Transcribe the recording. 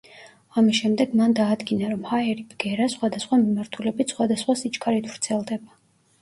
ამის შემდეგ მან დაადგინა, რომ ჰაერი ბგერა სხვადასხვა მიმართულებით სხვადასხვა სიჩქარით ვრცელდება.